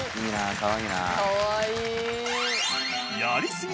かわいいな。